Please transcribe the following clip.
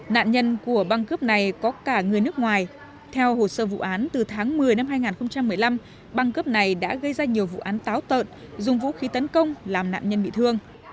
nạn nhân của băng cướp này có cả người nước ngoài theo hồ sơ vụ án từ tháng một mươi năm hai nghìn một mươi năm băng cướp này đã gây ra nhiều vụ án táo tợn dùng vũ khí tấn công làm nạn nhân bị thương